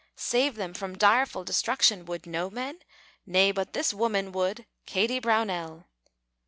Save them from direful destruction would no men? Nay, but this woman would, Kady Brownell!